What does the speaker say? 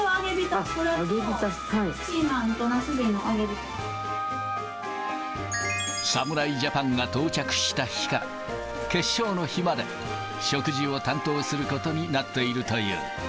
オクラとピーマンとナスビの侍ジャパンが到着した日から決勝の日まで、食事を担当することになっているという。